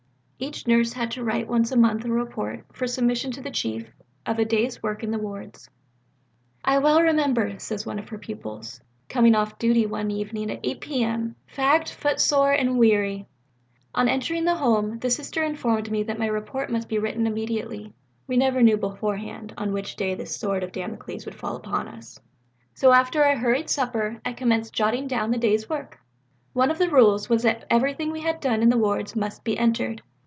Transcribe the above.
Each nurse had to write once a month a report, for submission to the Chief, of a day's work in the wards. "I well remember," says one of her pupils, "coming off duty one evening at 8 P.M. fagged, footsore, and weary. On entering the Home, the Sister informed me that my report must be written immediately (we never knew beforehand on which day this sword of Damocles would fall upon us). So after a hurried supper, I commenced jotting down the day's work. One of the rules was that everything we had done in the wards must be entered.